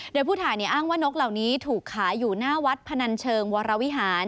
โดยผู้ถ่ายอ้างว่านกเหล่านี้ถูกขายอยู่หน้าวัดพนันเชิงวรวิหาร